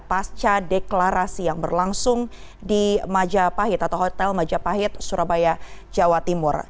pasca deklarasi yang berlangsung di majapahit atau hotel majapahit surabaya jawa timur